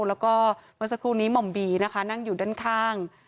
แล้วก็เมื่อสักครู่นี้หม่อมบีนะคะนั่งอยู่ด้านข้าง